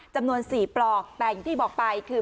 จำนวน๔ปลอกแต่อย่างที่บอกไปคือ